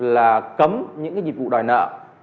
là cấm những cái dịch vụ đòi nợ